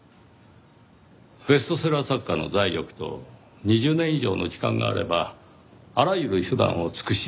ベストセラー作家の財力と２０年以上の時間があればあらゆる手段を尽くし